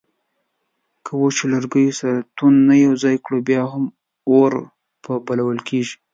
که وچو لرګیو سره توند یو ځای کړو بیا هم اور په بلول کیږي